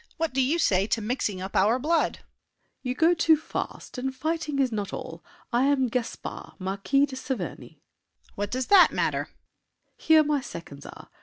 What do you say to mixing up our blood? SAVERNY. You go too fast, and fighting is not all. I am Gaspard, Marquis de Saverny. DIDIER. What does that matter? SAVERNY. Here my seconds are!